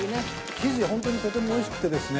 生地がほんとにとてもおいしくてですね